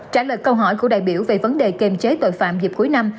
trả lời câu hỏi của đại biểu về vấn đề kiềm chế tội phạm dịp cuối năm